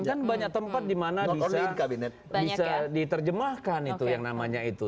kan banyak tempat di mana bisa diterjemahkan itu yang namanya itu